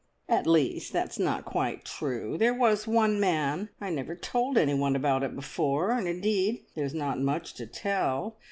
"At least, that's not quite true. There was one man I never told anyone about it before, and indeed there's not much to tell.